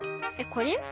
これ？